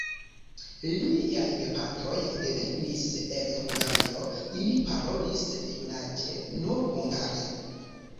Liaj gepatroj devenis el Hungario, ili parolis junaĝe nur hungare.